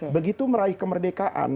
begitu meraih kemerdekaan